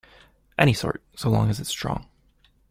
Any sort, so long as it's strong.